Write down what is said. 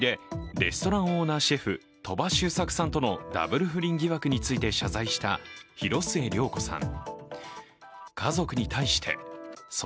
レストランオーナーシェフ鳥羽周作さんとのダブル不倫疑惑について謝罪した広末涼子さん。